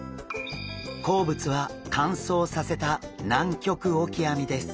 好物は乾燥させたナンキョクオキアミです。